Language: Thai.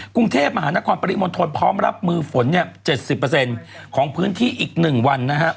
กรุงเทพมหานครปริมนธนพร้อมรับมือฝน๗๐ของพื้นที่อีก๑วัน